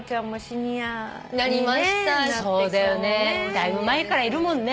だいぶ前からいるもんね。